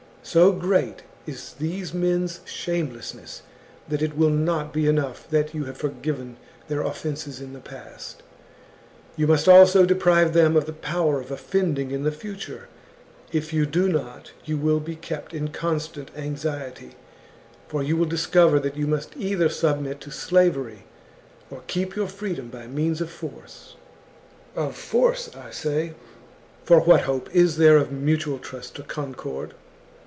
So great is these men's shamelessness that it will not be enough that you have forgiven their offences in the past, you must also, deprive them of the power of offending in the future ; if you do not, you will be kept in constant anxiety, for you will discover that you must either submit to slavery or keep your freedom by means of force. Of force, I say; for what hope is there of mutual 158 THE JUGURTHINE WAR. CHAP, trust or concord